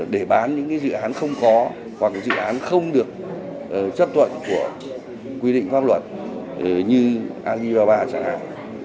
để bán những dự án không có hoặc dự án không được chấp thuận của quy định pháp luật như alibaba chẳng hạn